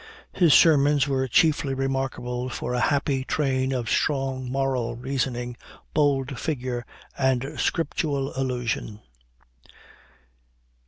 His sermons were chiefly remarkable for a happy train of strong moral reasoning, bold figure, and scriptural allusion.